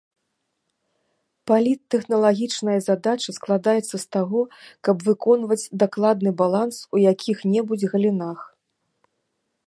Паліттэхналагічная задача складаецца з таго, каб выконваць дакладны баланс у якіх-небудзь галінах.